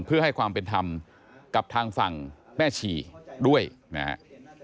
เพื่อให้ความเป็นธรรมกับทางฝั่งแม่ชีด้วยนะครับ